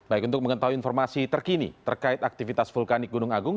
baik untuk mengetahui informasi terkini terkait aktivitas vulkanik gunung agung